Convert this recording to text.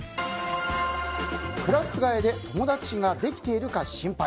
クラス替えで友達ができているか心配。